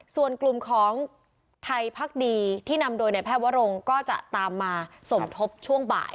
ส่วนกลุ่มของไทยพักดีที่นำโดยในแพทย์วรงก็จะตามมาสมทบช่วงบ่าย